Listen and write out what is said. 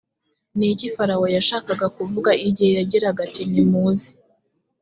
ni iki farawo yashakaga kuvuga igihe yagiraga ati nimuze